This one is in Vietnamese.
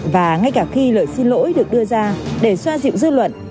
và ngay cả khi lời xin lỗi được đưa ra để xoa dịu dư luận